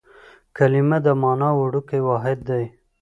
کلیمه د مانا وړوکی واحد دئ.